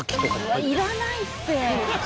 いや要らないって。